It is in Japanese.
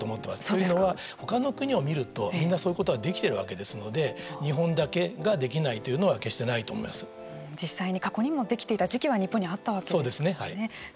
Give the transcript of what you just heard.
というのは、ほかの国をみるとみんなそういうことができているわけですので日本だけができないというのは実際に過去にもできていた時期は日本にあったわけですからね。